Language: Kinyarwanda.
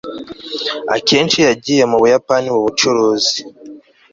akenshi yagiye mu buyapani mu bucuruzi